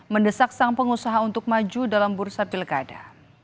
mendesak sang pengusaha untuk maju dalam bursa pilkada